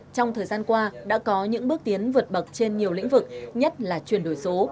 trong thời gian qua đã có những bước tiến vượt bậc trên nhiều lĩnh vực nhất là chuyển đổi số